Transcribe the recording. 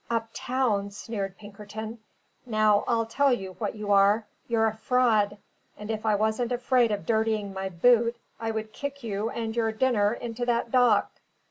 "Up town!" sneered Pinkerton. "Now, I'll tell you what you are: you're a Fraud; and if I wasn't afraid of dirtying my boot, I would kick you and your dinner into that dock."